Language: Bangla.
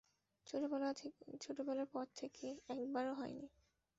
ছোটবেলার পর থেকে একবারও হয়নি।